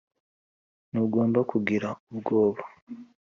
ntugomba kugira ubwoba